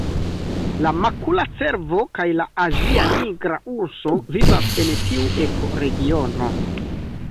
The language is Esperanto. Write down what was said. La makula cervo kaj la azia nigra urso vivas en tiu ekoregiono.